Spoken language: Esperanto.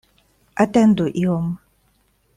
Atendu iom!